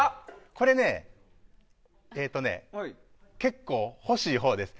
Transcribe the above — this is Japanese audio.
これね、結構欲しいほうです。